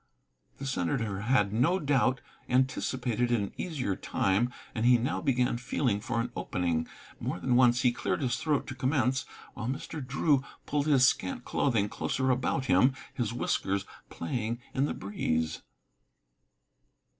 The senator had no doubt anticipated an easier time, and he now began feeling for an opening. More than once he cleared his throat to commence, while Mr. Drew pulled his scant clothing closer about him, his whiskers playing in the breeze.